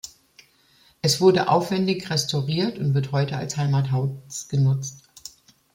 Es wurde aufwendig restauriert und wird heute als Heimathaus genutzt.